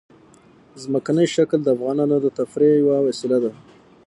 ځمکنی شکل د افغانانو د تفریح یوه وسیله ده.